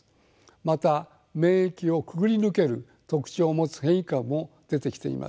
また免疫をくぐり抜ける特徴を持つ変異株も出てきています。